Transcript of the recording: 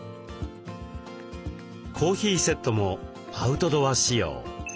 コーヒーセットもアウトドア仕様。